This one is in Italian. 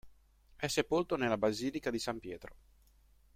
È sepolto nella Basilica di San Pietro.